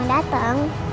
kamu harus mencari